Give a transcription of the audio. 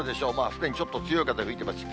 すでにちょっと強い風が吹いていますし。